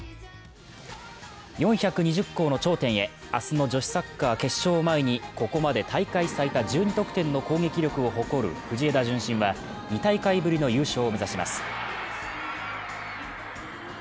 ４２０校の頂点へ、明日の女子サッカー決勝を前にここまで大会最多１２得点の攻撃力を誇る藤枝順心は２大会ぶりの優勝を目指します。